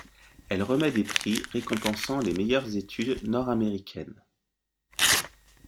Elle remet des prix récompensant les meilleures études nord-américaines.